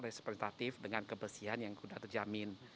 resperitatif dengan kebersihan yang sudah terjamin